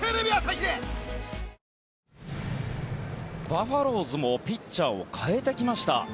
バファローズもピッチャーを代えてきました。